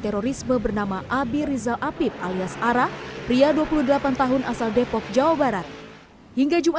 terorisme bernama abi rizal apib alias arah pria dua puluh delapan tahun asal depok jawa barat hingga jumat